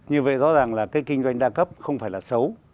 như vậy rõ ràng là cái kinh doanh đa cấp không phải là xấu